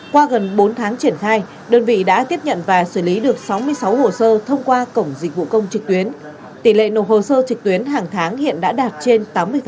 qua gần bốn tháng triển khai đơn vị đã tiếp nhận và xử lý được sáu mươi sáu hồ sơ thông qua cổng dịch vụ công trực tuyến tỷ lệ nộp hồ sơ trực tuyến hàng tháng hiện đã đạt trên tám mươi